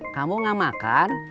kamu gak makan